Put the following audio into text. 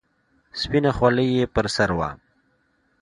سپينه خولۍ يې پر سر وه.